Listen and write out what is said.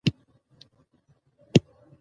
ښوونځي ته تلل د نجونو ذهنی وده ګړندۍ کوي.